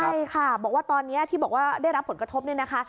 ใช่ค่ะบอกว่าตอนนี้ที่บอกว่าได้รับผลกระทบเนี่ยนะคะ